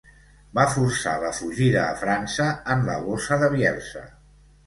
Va forçar la fugida a França en la Bossa de Bielsa.